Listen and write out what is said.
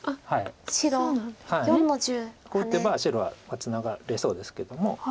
こう打てば白はツナがれそうですけども。